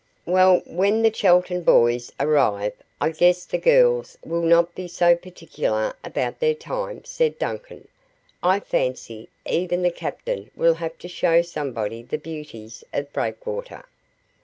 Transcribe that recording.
"Well, when the Chelton boys arrive I guess the girls will not be so particular about their time," said Duncan. "I fancy even the captain will have to show somebody the beauties of Breakwater.